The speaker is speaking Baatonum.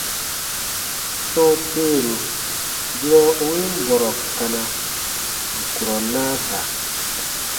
Sɔ̃ɔ teeru, durɔ u win bɔrɔ kana, bù kurɔ naa da.